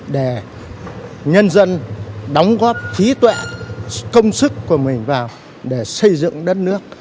để nhân dân đóng góp trí tuệ công sức của mình vào để xây dựng đất nước